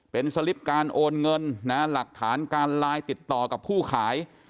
เป็นสลิปการโอนเงินหลักฐานการไลน์ติดต่อกับผู้ขาย